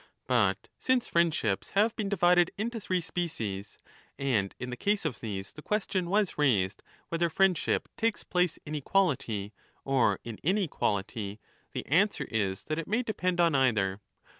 But since friendships have been divided into three species, and in the case of these the question was raised ^ whether friendship takes place in equality or in inequality,^ the answer is that it may depend on either.